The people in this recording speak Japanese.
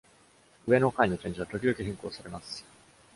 上の階の展示は時々変更されます。